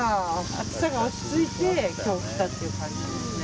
暑さが落ち着いて今日、来たって感じですね。